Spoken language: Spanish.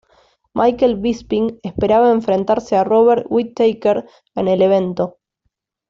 Michael Bisping esperaba enfrentarse a Robert Whittaker en el evento.